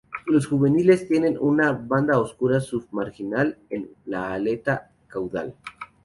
Los juveniles tienen una banda oscura submarginal en la aleta caudal.